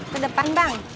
ke depan bang